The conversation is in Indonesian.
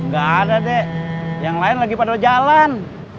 gak ada dek yang lain lagi pada jalan